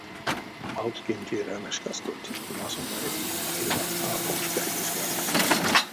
Валскень те рана шкастонть васов маряви эрьва а покш гайтеськак.